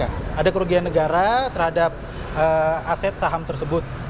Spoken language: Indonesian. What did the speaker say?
ada kerugian negara terhadap aset saham tersebut